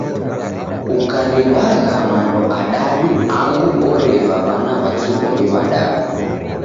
Ukariw'agha mando adadu angu oreva w'ana w'a kiw'omi w'adadu.